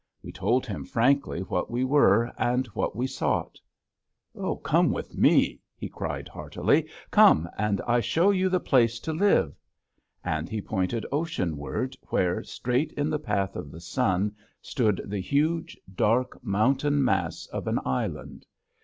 We told him frankly what we were and what we sought. "Come with me," he cried heartily, "come and I show you the place to live." And he pointed oceanward where, straight in the path of the sun stood the huge, dark, mountain mass of an island.